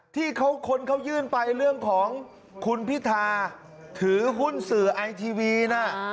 ที่คนเขายื่นไปเรื่องของคุณพิธาถือหุ้นสื่อไอทีวีนะ